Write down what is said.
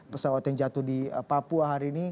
pesawat yang jatuh di papua hari ini